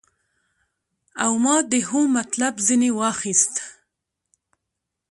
او ما د هو مطلب ځنې واخيست.